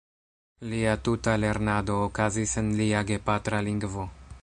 Lia tuta lernado okazis en lia gepatra lingvo.